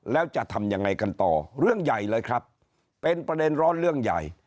แล้วจะทำยังไงกันต่อเรื่องใหญ่เลยครับเป็นประเด็นร้อนเรื่องใหญ่